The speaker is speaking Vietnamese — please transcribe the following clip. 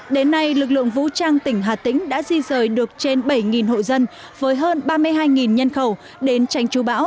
đến nay lực lượng vũ trang tỉnh hà tĩnh đã di rời được trên bảy hộ dân với hơn ba mươi hai nhân khẩu đến tranh tru bão